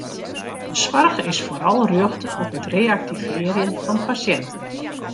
De soarch is foaral rjochte op it reaktivearjen fan pasjinten.